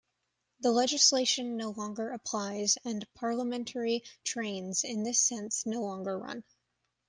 The legislation no longer applies and "parliamentary trains" in this sense no longer run.